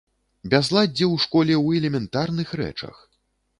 Бязладдзе ў школе ў элементарных рэчах.